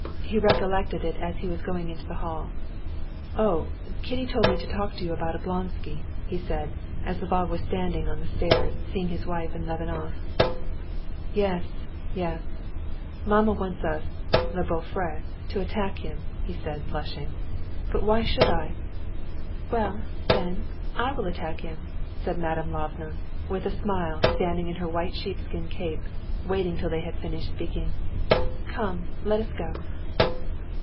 He recollected it as he was going into the hall. "Oh, Kitty told me to talk to you about Oblonsky," he said, as Lvov was standing on the stairs, seeing his wife and Levin off. "Yes, yes, maman wants us, les beaux frères, to attack him," he said, blushing. "But why should I?" "Well, then, I will attack him," said Madame Lvova, with a smile, standing in her white sheepskin cape, waiting till they had finished speaking. "Come, let us go."